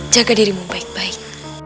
jaga dirimu baik baik